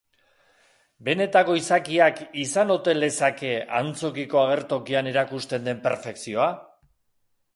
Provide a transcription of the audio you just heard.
Benetako izakiak izan ote lezake antzokiko agertokian erakusten den perfekzioa?